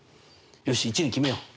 よし１に決めよう。